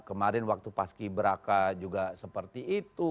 kemarin waktu paski beraka juga seperti itu